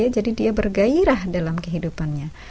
jadi dia bergairah dalam kehidupannya